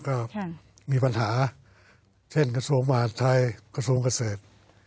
ก็มีปัญหาเช่นกระทรวงมหาดไทยกระทรวงเกษตร